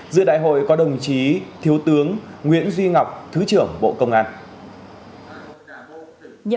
giữa đại hội có đồng chí thiếu tướng nguyễn duy ngọc thứ trưởng bộ công an